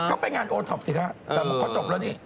ก็ไปงานโอท็อปสิคะแต่เขาจบแล้วนี่